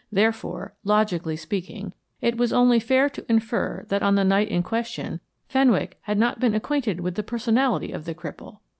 Therefore, logically speaking, it was only fair to infer that on the night in question Fenwick had not been acquainted with the personality of the cripple.